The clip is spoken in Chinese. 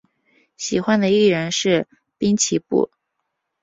喜欢的艺人是滨崎步。